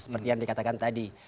seperti yang dikatakan tadi